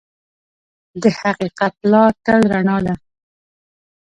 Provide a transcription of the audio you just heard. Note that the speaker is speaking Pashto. د حقیقت لار تل رڼا ده.